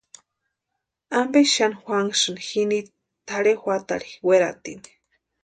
¿Ampe xani juanhasïni jini tʼarhe juatarhu weratini?